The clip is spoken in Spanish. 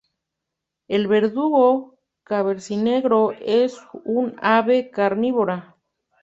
El verdugo cabecinegro es un ave carnívora.